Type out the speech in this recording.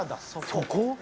そこ？